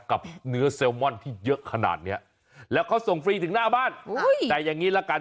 กับเนื้อเซลมอนที่เยอะขนาดเนี้ยแล้วเขาส่งฟรีถึงหน้าบ้านแต่อย่างนี้ละกัน